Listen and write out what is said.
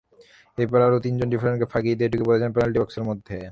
এরপর আরও তিনজন ডিফেন্ডারকে ফাঁকি দিয়ে ঢুকে পড়েছেন পেনাল্টি বক্সের মধ্যে।